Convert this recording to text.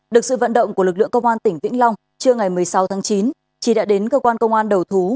được sự vận động của lực lượng công an tỉnh vĩnh long trưa ngày một mươi sáu tháng chín trí đã đến cơ quan công an đầu thú